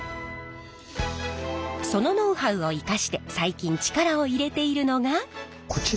そのノウハウを生かして最近力を入れているのが。